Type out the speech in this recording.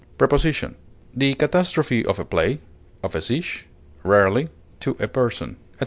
Preposition: The catastrophe of a play; of a siege; rarely, to a person, etc.